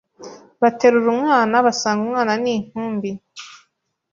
Baterura umwana basanga umwana ni intumbi.